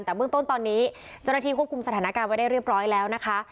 แต่เบื้องต้นตอนนี้เจ้าหน้าที่ควบคุมสถานการณ์ไว้ได้เรียบร้อยแล้วนะคะ